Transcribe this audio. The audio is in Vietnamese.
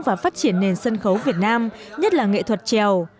và phát triển nền sân khấu việt nam nhất là nghệ thuật trèo